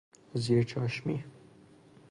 زیر چشمی